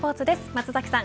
松崎さん